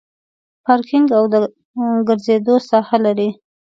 پارکینګ او د ګرځېدو ساحه لري.